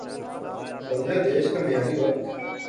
بنگلہ دیش کا معیاری وقت